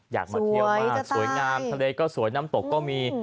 อยากมาเที่ยวมากสวยงามทะเลก็สวยน้ำตกก็มี